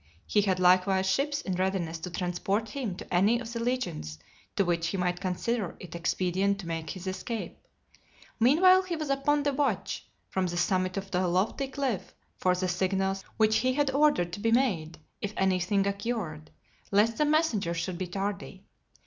He had likewise ships in readiness to transport him to any of the legions to which he might consider it expedient to make his escape. Meanwhile, he was upon the (233) watch, from the summit of a lofty cliff, for the signals which he had ordered to be made if any thing occurred, lest the messengers should be tardy.